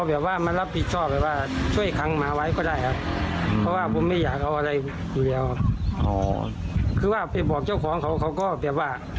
มีอะไรออกมาไม่คืบหน้าเลย